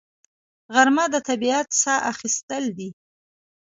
غرمه د طبیعت ساه اخیستل دي